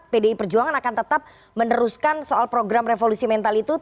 pdi perjuangan akan tetap meneruskan soal program revolusi mental itu